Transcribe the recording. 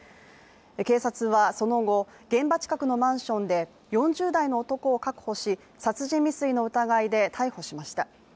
警察はその後、現場近くのマンションで、４０代の男を確保し、殺人未遂の疑いで逮捕しました。